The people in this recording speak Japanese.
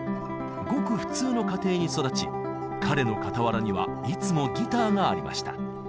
ごく普通の家庭に育ち彼の傍らにはいつもギターがありました。